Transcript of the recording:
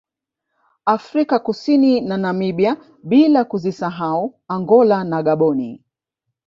Afrika Kusini na Namibia bila kuzisahau Angola na Gaboni